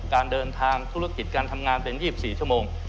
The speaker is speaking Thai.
การเดินทางธุรกิจการทำงานเป็น๒๔ชั่วโมง